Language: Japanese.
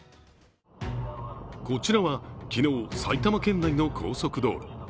こちらは、昨日埼玉県内の高速道路。